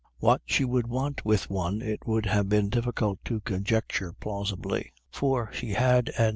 What she could want with one it would have been difficult to conjecture plausibly, for she had an.